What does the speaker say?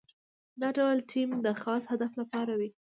دا ډول ټیم د خاص هدف لپاره وي.